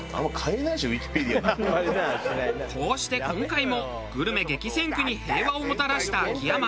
こうして今回もグルメ激戦区に平和をもたらした秋山。